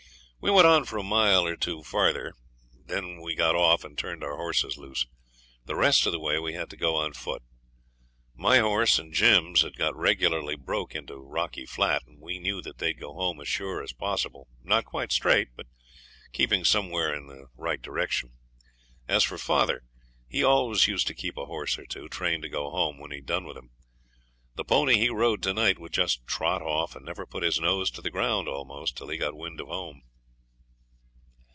We went on for a mile or two farther; then we got off, and turned our horses loose. The rest of the way we had to do on foot. My horse and Jim's had got regularly broke into Rocky Flat, and we knew that they'd go home as sure as possible, not quite straight, but keeping somewhere in the right direction. As for father he always used to keep a horse or two, trained to go home when he'd done with him. The pony he rode to night would just trot off, and never put his nose to the ground almost till he got wind of home.